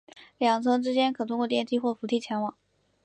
两层之间可通过电梯或扶梯前往。